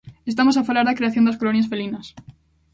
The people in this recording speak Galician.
Estamos a falar da creación das colonias felinas.